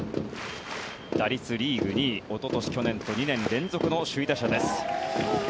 打率リーグ２位おととし、去年と２年連続の首位打者です。